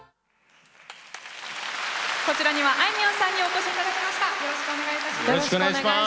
こちらにはあいみょんさんにお越しいただきました。